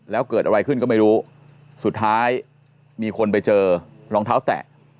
แล้วเกิดอะไรขึ้นก็ไม่รู้สุดท้ายมีคนไปเจอรองเท้าแตะ